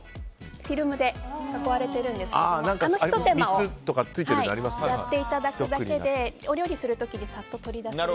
フィルムで囲われているんですけどそのひと手間をやっていただくだけでお料理する時にさっと取り出せる。